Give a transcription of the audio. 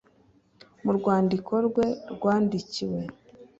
mu rwandiko rwe rwakiriwe